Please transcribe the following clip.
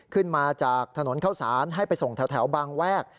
ขึ้นมาจากถนนเข้าสารให้ไปส่งแถวบางแวก